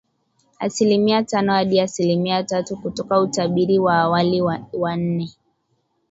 asilimia tano hadi asilimia tatu kutoka utabiri wa awali wa nne